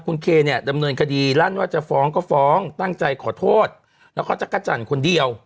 คุณเคเนี่ยดำเนินคดีลั่นว่าจะฟ้องก็ฟ้องตั้งใจขอโทษแล้วก็จักรจันทร์คนเดียว